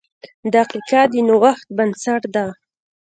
• دقیقه د نوښت بنسټ ده.